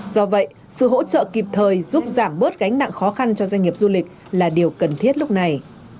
do vậy sự hỗ trợ kịp thời giúp giảm bớt gánh nặng khó khăn cho doanh nghiệp du lịch là điều cần thiết lúc này